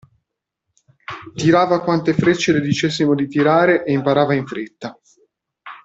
Tirava quante frecce le dicessimo di tirare e imparava in fretta.